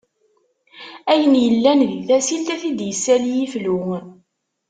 Ayen illan di tasilt, ad t-id issali iflu.